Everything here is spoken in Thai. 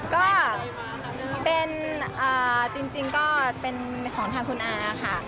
ก็เป็นจริงก็เป็นของทางคุณอาค่ะ